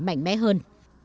mạnh mẽ hơn